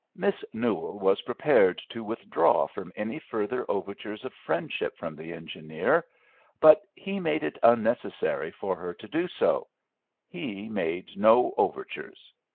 Miss Newell was prepared to withdraw from any further overtures of friendship from the engineer; but he made it unnecessary for her to do so, he made no overtures.